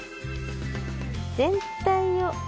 全体を。